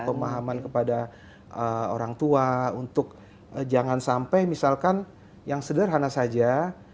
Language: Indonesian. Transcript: pemahaman kepada orang tua untuk jangan sampai misalkan yang sederhana saja